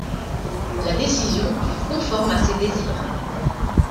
La décision fut conforme à ses désirs.